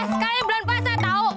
sekali belan pasang tau